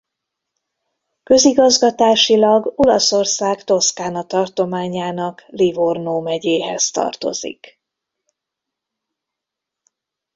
Közigazgatásilag Olaszország Toszkána tartományának Livorno megyéhez tartozik.